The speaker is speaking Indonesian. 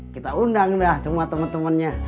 kita undang dah semua temen temennya